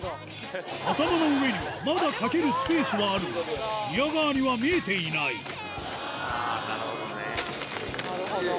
頭の上にはまだかけるスペースがあるが宮川には見えていないあぁ